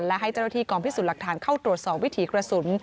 และให้จรภีร์กรองพิสูจน์หลักฐานเข้าตรวจสอบวิถีกระสุน